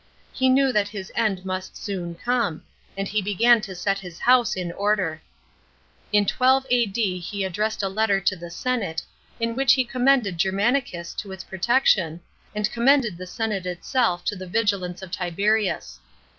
He knew that his end must sonn come, and he began to set his house in order. In 12 A.D. he addressed a letter to the senate, in which lie commended Germanicus to its protection, and commended the senate itself to the vigilance of Tiberius.